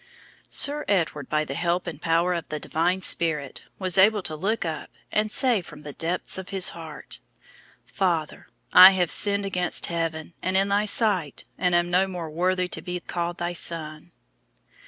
Sir Edward, by the help and power of the Divine Spirit, was able to look up, and say from the depths of his heart, "_Father, I have sinned against Heaven, and in Thy sight, and am no more worthy to be called Thy son."